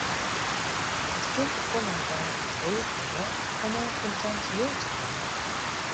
It kin de kommende dagen dreech wurde om oan kontant jild te kommen.